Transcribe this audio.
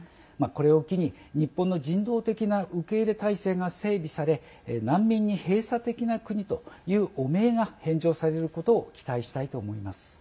これを機に、日本の人道的な受け入れ態勢が整備され難民に閉鎖的な国という汚名が返上されることを期待したいと思います。